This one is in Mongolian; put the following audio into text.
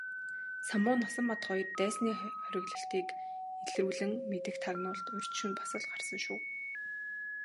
Самбуу Насанбат хоёр дайсны хориглолтыг илрүүлэн мэдэх тагнуулд урьд шөнө бас л гарсан шүү.